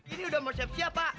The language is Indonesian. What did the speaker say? ini udah mau siap siapa